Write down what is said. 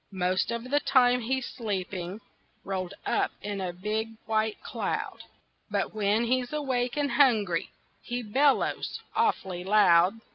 Most of the time he's sleeping, Rolled up in a big white cloud, But when he's awake and hungry He bellows awfully loud.